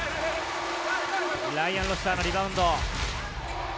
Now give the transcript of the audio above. ライアン・ロシターのリバウンド。